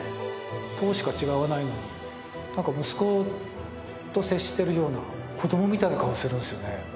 １０しか違わないのに何か息子と接してるような子供みたいな顔するんですよね